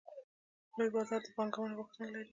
لوی بازار د پانګونې غوښتنه لري.